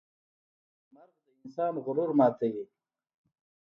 مرګ د انسان غرور ماتوي.